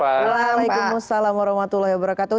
waalaikumsalam warahmatullahi wabarakatuh